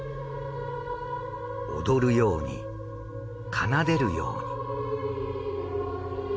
踊るように奏でるように。